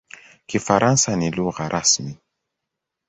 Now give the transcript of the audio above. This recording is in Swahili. Kifaransa ni lugha rasmi.